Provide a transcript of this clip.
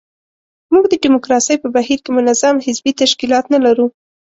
موږ د ډیموکراسۍ په بهیر کې منظم حزبي تشکیلات نه لرو.